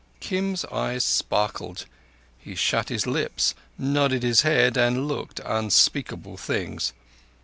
Kim's eyes sparkled. He shut his lips, nodded his head, and looked unspeakable things.